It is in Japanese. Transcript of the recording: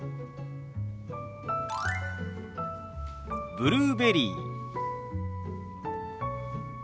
「ブルーベリー」。